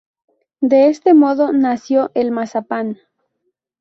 De este modo nació el mazapán.